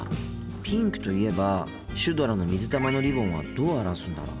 ピンクといえばシュドラの水玉のリボンはどう表すんだろう。